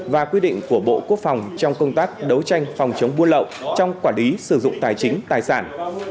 và quy định của bộ quốc phòng trong công tác đấu tranh phòng chống buôn lậu trong quản lý sử dụng tài chính tài sản